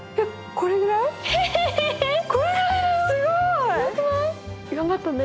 これぐらいだよ。